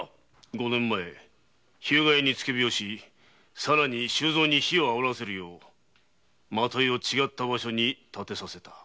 五年前日向屋に付け火をし更に周蔵に火を煽らせるよう纏を違った場所に立てさせた。